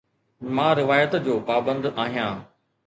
مان روايت جو پابند آهيان